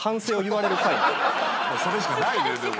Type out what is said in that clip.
それしかないよでも。